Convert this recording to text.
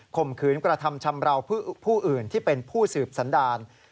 ข่มขืนกระทำชำราวผู้อื่นที่เป็นผู้สืบสันดาร